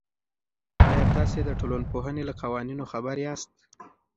آیا تاسې د ټولنپوهنې له قوانینو خبر یاست؟